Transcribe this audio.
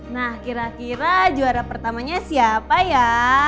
nah kira kira juara pertamanya siapa ya